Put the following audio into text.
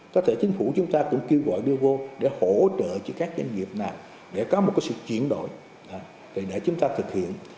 có thể chính phủ chúng ta cũng kêu gọi đưa vô để hỗ trợ cho các doanh nghiệp nào để có một sự chuyển đổi để chúng ta thực hiện